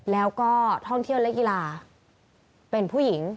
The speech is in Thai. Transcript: แล้วก็ท่องเที่ยวและกีฬาเป็นผู้หญิง